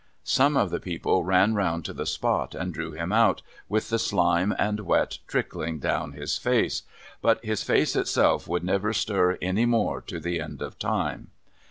Some of the people ran round to the spot, and drew him out, with the shme and wet trickHng down his face ; but his face itself would never stir any more to the end of time.